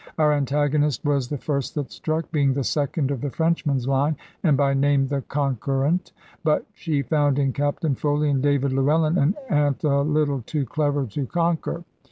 Our antagonist was the first that struck, being the second of the Frenchman's line, and by name the Conquer ant. But she found in Captain Foley and David Llewellyn an ant a little too clever to conquer.